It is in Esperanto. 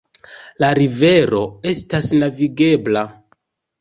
La rivero estas navigebla.